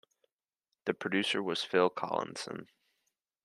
The producer was Phil Collinson.